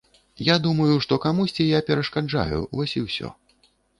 Я думаю, што камусьці я перашкаджаю, вось і ўсё.